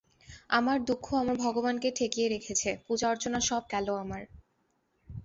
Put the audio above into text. আমার দুঃখ আমার ভগবানকে ঠেকিয়ে রেখেছে, পূজা অর্চনা সব গেল আমার।